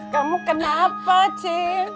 kamu kenapa cin